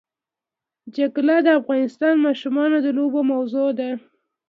جلګه د افغان ماشومانو د لوبو موضوع ده.